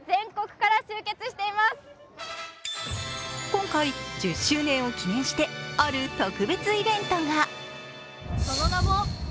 今回、１０周年を記念してある特別イベントが。